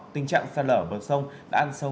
tình trạng sạt lở bờ sông đã ăn sâu